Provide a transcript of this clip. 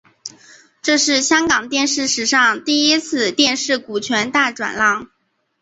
这是香港电视史上第一次电视股权大转让。